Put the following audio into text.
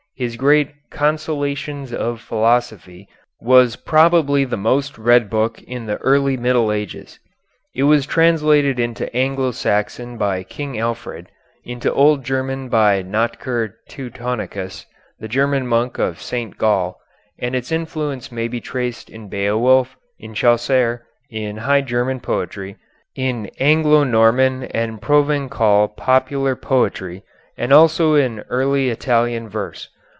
His great "Consolations of Philosophy" was probably the most read book in the early Middle Ages. It was translated into Anglo Saxon by King Alfred, into old German by Notker Teutonicus, the German monk of St. Gall, and its influence may be traced in Beowulf, in Chaucer, in High German poetry, in Anglo Norman and Provençal popular poetry, and also in early Italian verse.